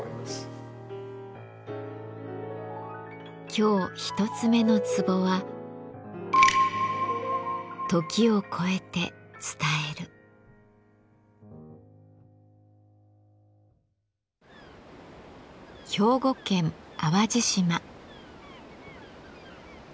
今日１つ目の壺は兵庫県淡路島。